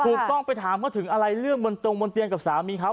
ถูกต้องไปถามว่าถึงอะไรเรื่องบนตรงบนเตียงกับสามีเขา